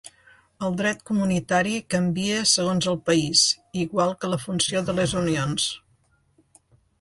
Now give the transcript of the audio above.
El dret comunitari canvia segons el país, igual que la funció de les unions.